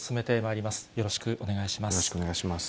よろしくお願いします。